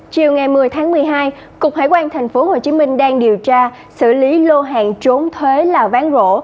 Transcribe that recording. chiều ngày một mươi tháng một mươi hai cục hải quan tp hcm đang điều tra xử lý lô hàng trốn thuế là ván gỗ